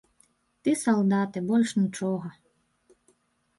Ты салдат, і больш нічога.